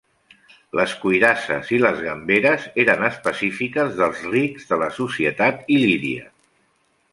Les cuirasses i les gamberes eren específiques dels rics de la societat il·líria.